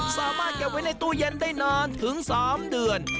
สามารถเก็บไว้ในตู้เย็นได้นานถึง๓เดือน